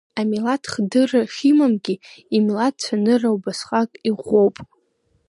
Амилаҭ хдырра шимамгьы, имилаҭ цәанырра убасҟак иӷәӷәоуп.